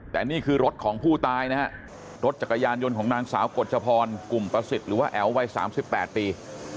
แต่นี่คือรถของผู้ตายนะฮะรถจักรยานยนต์ของนางสาวกฎชพรกลุ่มประสิทธิ์หรือว่าแอ๋ววัย๓๘ปี